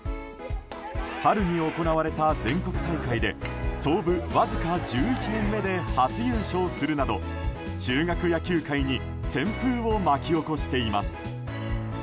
春に行われた全国大会で創部わずか１１年目で初優勝するなど中学野球界に旋風を巻き起こしています。